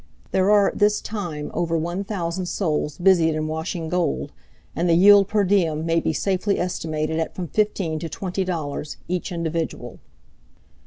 There are at this time over one thousand souls busied in washing gold, and the yield per diem may be safely estimated at from fifteen to twenty dollars, each individual.